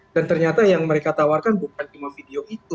dan ternyata yang mereka tawarkan bukan cuma video itu